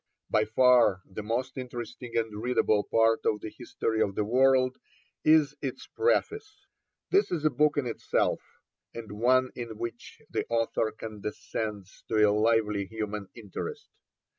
By far the most interesting and readable, part of the History of the World is its preface. This is a book in itself, and one in which the author condescends to a lively human interest.